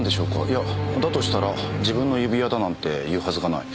いやだとしたら自分の指輪だなんて言うはずがない。